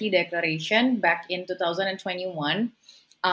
melalui perjanjian dua ribu tiga puluh kita